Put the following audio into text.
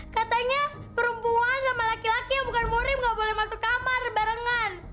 katanya perempuan sama laki laki kommen murim gak boleh ke kamar barengan